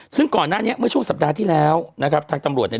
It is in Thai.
ซึ่งก่อนหน้านี้เมื่อช่วงสัปดาห์ที่แล้วนะครับทางตำรวจเนี่ย